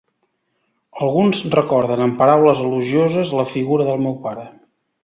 Alguns recorden amb paraules elogioses la figura del meu pare.